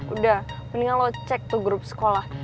udah mendingan lo cek tuh grup sekolah